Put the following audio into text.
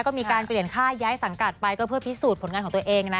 ก็มีการเปลี่ยนค่าย้ายสังกัดไปก็เพื่อพิสูจน์ผลงานของตัวเองนะ